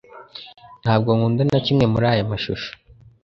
Ntabwo nkunda na kimwe muri aya mashusho